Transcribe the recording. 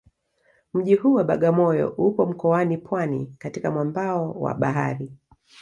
Mji huu wa Bagamoyo upo mkoani Pwani katika mwambao wa bahari